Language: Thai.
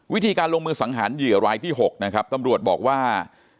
วิธีการลงมือสังหารเหยื่อรายที่๖นะครับตำรวจบอกว่า